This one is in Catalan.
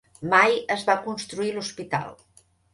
Mai es va construir l'hospital.